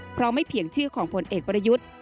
เพราะไม่เพียงชื่อของผลเอกประยุทธ์